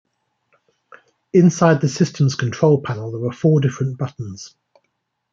Inside the systems control panel, there are four different buttons.